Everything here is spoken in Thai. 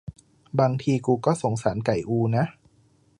บางทีกูก็สงสารไก่อูนะ